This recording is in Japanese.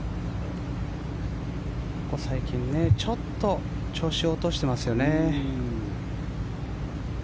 ここ最近、ちょっと調子を落としてますよね。